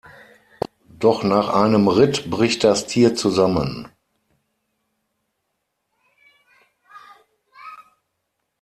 Doch nach einem Ritt bricht das Tier zusammen.